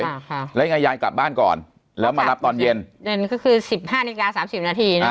ค่ะแล้วยังไงยายกลับบ้านก่อนแล้วมารับตอนเย็นเย็นก็คือสิบห้านาฬิกาสามสิบนาทีนะ